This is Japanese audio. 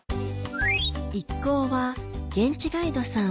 一行は現地ガイドさん